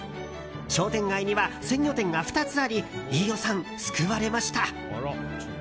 商店街には鮮魚店が２つあり飯尾さん、救われました。